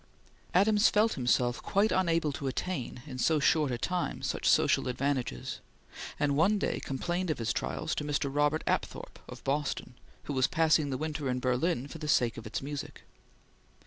Adams felt himself quite unable to attain in so short a time such social advantages, and one day complained of his trials to Mr. Robert Apthorp, of Boston, who was passing the winter in Berlin for the sake of its music.